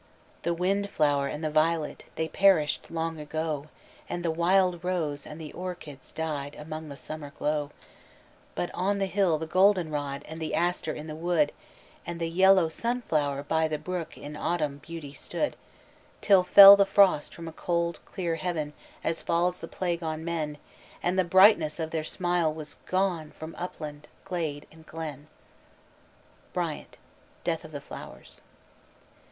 "The wind flower and the violet, they perished long ago, And the wild rose and the orchis died amid the summer glow: But on the hill the golden rod, and the aster in the wood, And the yellow sun flower by the brook in autumn beauty stood, Till fell the frost from the cold clear heaven, as falls the plague on men, And the brightness of their smile was gone from upland, glade, and glen." BRYANT: _Death of the Flowers.